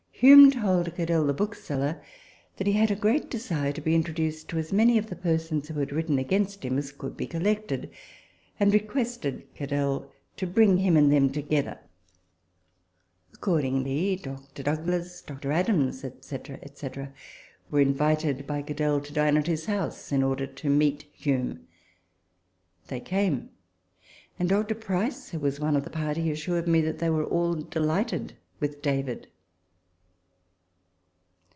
Hume told Cadell the bookseller that he had a great desire to be introduced to as many of the per sons who had written against him as could be col lected ; and requested Cadell to bring him and them together. Accordingly, Dr. Douglas, Dr. Adams, &c. &c., were invited by Cadell to dine at his house in order to meet Hume. They came ; and Dr. Price, who was one of the party, assured me that they were all delighted with David.